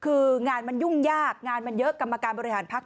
คืองานมันยุ่งยากงานมันเยอะกรรมการบริหารพัก